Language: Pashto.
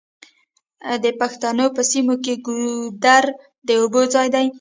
د پښتنو په سیمو کې ګودر د اوبو ځای دی.